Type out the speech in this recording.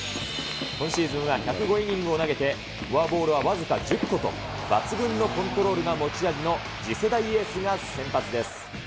今シーズンは１０５イニングを投げて、フォアボールは僅か１０個と、抜群のコントロールが持ち味の次世代エースが先発です。